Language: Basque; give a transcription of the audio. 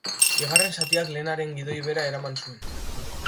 Bigarren zatiak lehenaren gidoi bera eraman zuen.